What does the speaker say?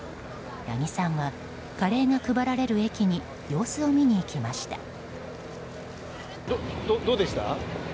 八木さんはカレーが配られる駅に様子を見に行きました。